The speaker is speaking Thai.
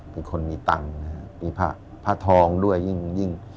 เป็นคนมีตังค์มีพระทองด้วยยิ่ง